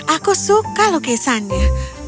aku suka lukisannya